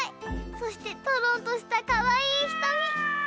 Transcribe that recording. そしてとろんとしたかわいいひとみ！